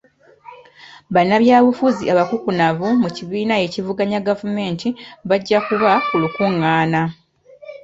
Bannabyabufuzi abakukunavu mu kibiina ekivuganya gavumenti bajja kuba ku lukungaana.